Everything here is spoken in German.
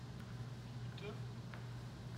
Wie bitte?